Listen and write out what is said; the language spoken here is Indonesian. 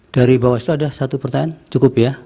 dari bawaslu ada satu pertanyaan cukup ya